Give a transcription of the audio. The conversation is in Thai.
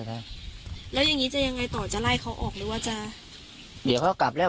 นะแล้วอย่างงี้จะยังไงต่อจะไล่เขาออกหรือว่าจะเดี๋ยวเขากลับแล้ว